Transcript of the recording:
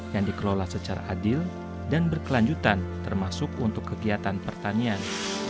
yang dikelola secara adil dan berkelanjutan termasuk untuk kegiatan pertanian